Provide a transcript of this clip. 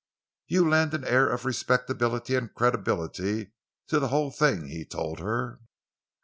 "You lend an air of respectability and credibility to the whole thing," he told her.